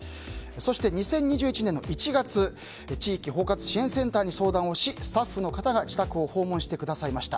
そして２０２１年１月地域包括支援センターに相談をし、スタッフの方が自宅を訪問してくださいました。